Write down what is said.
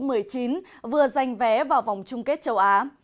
u một mươi vừa giành vé vào vòng chung kết châu á